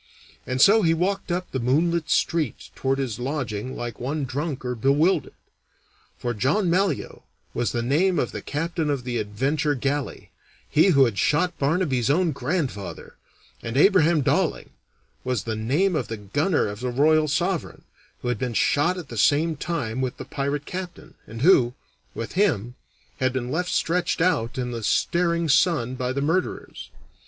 And so he walked up the moonlit street toward his lodging like one drunk or bewildered; for "John Malyoe" was the name of the captain of the Adventure galley he who had shot Barnaby's own grandfather and "Abraham Dawling" was the name of the gunner of the Royal Sovereign who had been shot at the same time with the pirate captain, and who, with him, had been left stretched out in the staring sun by the murderers.